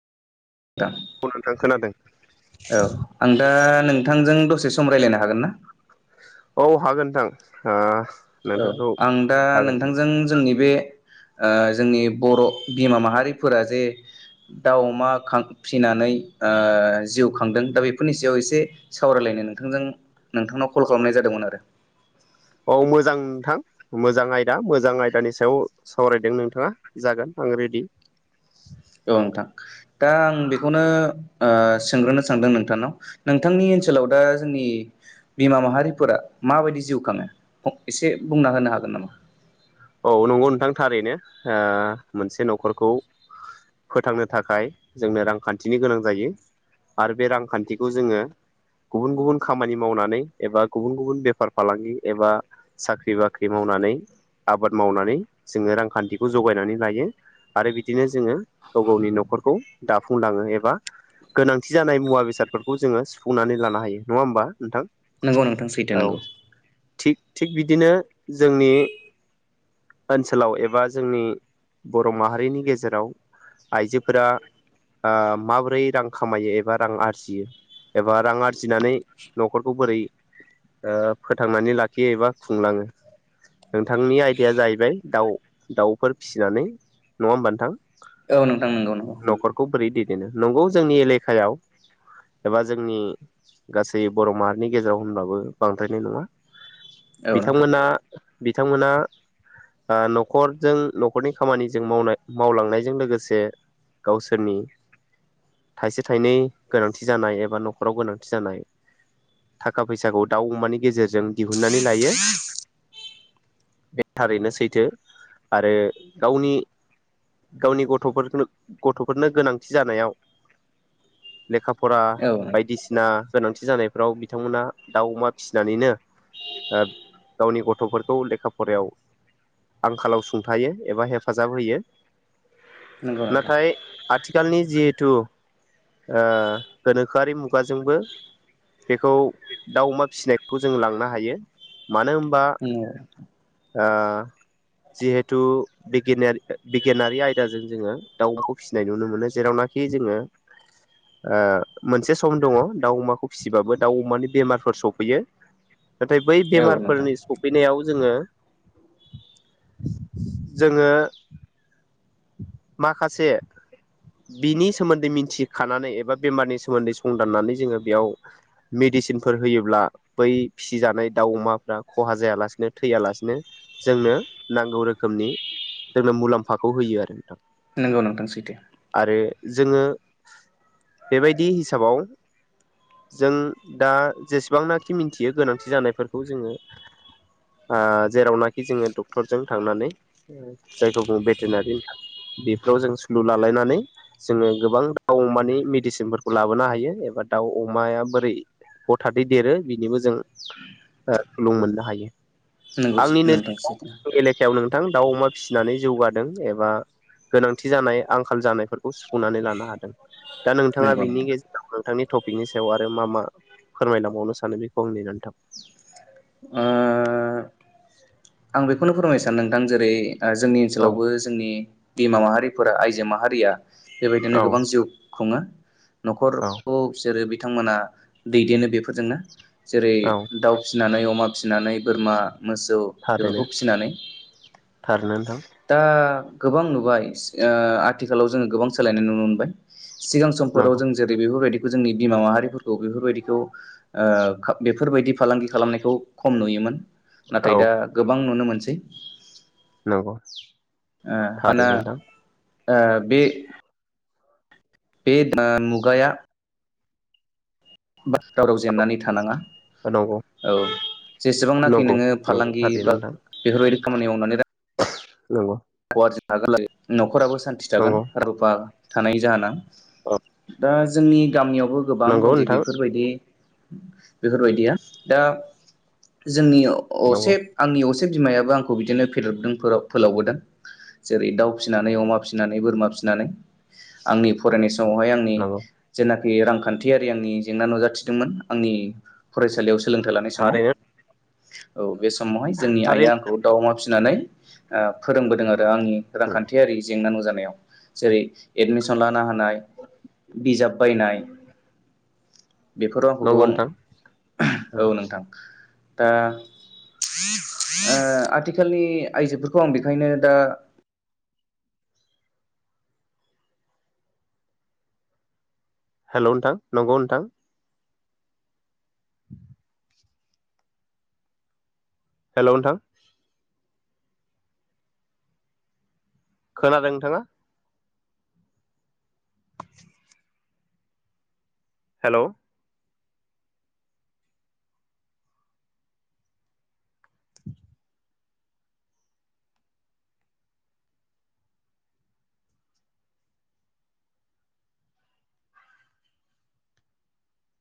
औ नोंथां खोनादों औ आं दा नों थांजों दसे सम रायलायनो हागोन ना? औ हागोन नोंथां। ओ औ नोंथांखौ आं दा हागोन नोंथांजों जोंनि बे ओ जोंनि ओ बर' बिमा माहारिफोरा जे दाव अमा खां फिनानै ओ जिउ खांदों दा बेफोरनि सायाव एसे सावरायलायनो नोंथांजों नोंथांनाव कल खालामनाय जादोंमोन आरो। औ मोजां नोंथां मोजां आयदा मोजां आयदानि सायाव सावरायदों नोंथाङा जागोन आं रेडि औ नोंथां दा आं बेखौनो ओ सोंग्रोनो सानदों नोंथांनाव नोंथांनि ओनसोलाव दा जोंनि बिमा माहारिफोरा माबायदि जिउ खाङो एसे बुंना होनो हागोन नामा? औ नंगौ नोंथां थारैनो ओ मोनसे न'खरखौ फोथांनो थाखाय जोंनो रांखान्थिनि गोनां जायो आरो बे रांखान्थिखौ जोङो गुबुन गुबुन खामानि मावनानै एबा गुबुन गुबुन बेफार फालांगि एबा साख्रि बाख्रि मावनानै आबाद मावनानै जोङो रांखान्थिखौ जगायनानै लायो आरो बिदिनो जोङो गाव गावनि न'खरखौ दाफुंलाङो एबा गोनांथि जानाय मुवा बेसादफोरखौ जोङो सुफुंनानै लानो हायो नङा होमबा नोंथां नंगौ नोंथां सैथो औ नोंगौ थिग थिग बिदिनो जोंनि ओनसोलाव एबा जोंनि बर' माहारिनि गेजेराव आइजोफोरा ओ माबोरै रां खामायो एबा रां आरजियो एबा रां आरजिनानै न'खरखौ बोरै ओ फोथांनानै लाखियो एबा खुंलाङो नों थांनि आयदाया जाहैबाय दाउ दाउफोर फिसिनानै नङा होमबा नोंथां औ नोंथां नंगौ नंगौ देनो नंगौ जोंनि एलेकायाव एबा जोंनि गासै बर' माहारिनि गेजेराव होनब्लाबो बांद्रायनाय नङा औ नोंथां बिथांमोना बिथांमोना ओ न'खरजों न'खरनि खामानिजों मावनाय मावलांनायजों लोगोसे गावसोरनि थाइसे थाइनै गोनांथि जानाय एबा न'खराव गोनांथि जानाय थाखा फैसाखौ दाउ अमानि गेजेरजों दिहुननानै लायो। बे थारैनो सैथो आरो गावनि गावनि गथ'फोरनो गथ'फोरनो गोनांथि जानायाव लेखा फरा औ नोंथां बायदिसिना गोनांथि जानायफ्राव बिथांमोना दाउ अमा फिसिनानैनो ओ गावनि गथ'फोर खौ लेखा फरायाव आंखालाव सुंथायो एबा हेफाजाब होयो। नोंगौ नोंथां। नाथाय आथिखालनि जिहेथु ओ गोनोखोआरि मुगाजोंबो बेखौ दाउ अमा फिसिनायखौ जों लांनो हायो मानो होनबा ओ जिहेथु बिगिनारि बिगियानारि आयदाजों जोङो दाउ अमाखौ फिसिनाय नुनो मोनो जेरावनाखि जोङो ओ मोनसे सम दङ दाउ अमाखौ फिसिबाबो दाउ अमानि बेमारफोर सफैयो नाथाय बै नंगौ औ नोंथां बेमारफोरनि सौ फैनायाव जोङो जोङो माखासे बिनि सोमोन्दै मिथिखानानै एबा बेमारनि सोमोन्दै संदाननानै जोङो बेयाव मेडिसिनफोर होयोब्ला बै फिसिजानाय दाउ अमाफ्रा खहा जायालासिनो थैयालासिनो जोंनो नांगौ रोखोमनि जोंनो मुलाम्फाखौ होयो आरो नोंथां नोंगौ नोंथां सैथो। आरो जोङो बेबायदि हिसाबाव जों दा जेसेबांनाखि मिथियो गोनांथि जानायफोरखौ जोङो ओ जेरावनाखि जोङो डक्टरजों थांनानै जायखौ बुङो बेटेनारिन बेफोराव जों सुलु लालायनानै जोङो गोबां दाउ अमानि मेडिसिनफोरखौ लाबोनो हायो एबा दाउ अमाया बोरै हथादै देरो बिनिबो जों ओ सुलुं मोननो हायो। नोंगस नोंथांस थां दाउ अमा फिसिनानै जौगादों एबा गोनांथि जानाय आंखाल जानायफोरखौ सुफुंनानै लानो हादों। दा नोंथाङा नंगौ बिनि नोंथां गेजेराव नोंथांनि थफ बिनि सायाव आरो मा मा फोरमायलांबावनो सानो बेखौ आं नेनानै थाबाय। ओ आं बेखौनो फोरमायनो सानदों नोंथां जेरै ओ जोंनि औ ओनसोलावबो जोंनि बिमा माहारिफोरा आइजो माहारिया बेबायदिनो गोबां औ जिउ खुङो। औ न'खरखौ बिसोरो बे बिथांमोना दैदेनो बेफोरजोंनो। जेरै औ दाउ फि नानै अमा फिसिनानै बोरमा मोसौ थारैनो बेफोरखौ फिसिनानै थारैनो नोंथां। दा गोबां नुबाय ओ आथिखालाव जोङो गोबां सोलायनाय नुनो मोनबाय। सिगां समफोराव नंगौ जों जेरै बेफोरबायदिख जोंनि बिमा माहारिफोरखौ बेफोरबायदिखौ ओ बेफोरबायदि फालांगि खालामनायखौ खम नुयोमोन। औ नाथाय दा गोबां नुनो मोन सै नोंग। ओ माना ओ बे बे ओ मुगाया बास दावराव जेननानै थानाङा नंगौ नंगौ औ जेसेबांनाखि नंगौ नोङो फालांगि बा बेफोरबायदि खामानि मावनानै रा नोंगौ [unintelligible] न'खराबो सान्थि थागोन नंगौ रुफा थानाय जाहोना औ दा जोंनि गामियावबो गोबां नंगौ दंदे नोंथां बेफोरबायदि बेफोरबायदिया दा जोंनि नंगौ असे आंनि असे बिमायाबो आंखौ बिदिनो फेदेरबोदों फोलाव-फोलावबोदों जेरै दाउ फिसिनानै अमा फिसिनानै बोरमा फिसिनानै आंनि फरायनाय स समावहाय आंनि नंगौ जेला फैयो रांखान्थियारि आंनि जेंना नुजाथिदोंमोन आंनि फरायसालियाव सोलोंथाइ लानाय समाव। थारैनो औ। बे समावहाय जोंनि आइआ थारैनो आंखौ दाउ अमा फिनानै ओ फोरों दों आरो आंनि रांखान्थियारि जेंना नुजा नायाव। जेरै एडमिसन लानो हानाय बिजाब बायनाय बेफोराव आंखौ नंगौ गोबां नोंथां औ नोंथां दा ओ आथिखालनि आइजोफोरखौ आं बेखायनो दा हेल' नोंथां नंगौ नोंथां। हेल' नोंथां। खोनादों नोंथाङा? हेल'।